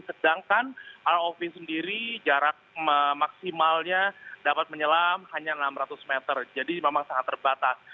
sedangkan rov sendiri jarak maksimalnya dapat menyelam hanya enam ratus meter jadi memang sangat terbatas